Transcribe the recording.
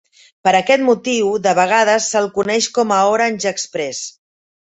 Per aquest motiu, de vegades se'l coneix com a Orange Express.